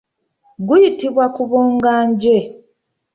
Guyitibwa kubonga nje.